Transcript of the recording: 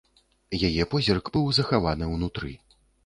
Яе позірк быў захаваны ўнутры.